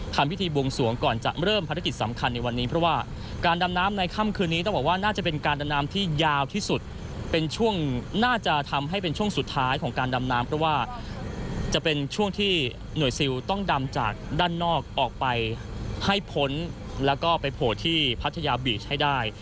ทำพิธีบวงสวงก่อนจะเริ่มภารกิจสำคัญในวันนี้เพราะว่าการดำน้ำในค่ำคืนนี้ต้องบอกว่าน่าจะเป็นการดำน้ำที่ยาวที่สุดเป็นช่วงน่าจะทำให้เป็นช่วงสุดท้ายของการดำน้ำเพราะว่าจะเป็นช่วงที่หน่วยซิลต้องดำจากด้านนอกออกไปให้พ้นแล้วก็ไปโผล่ที่พัทยาบีชให้ได้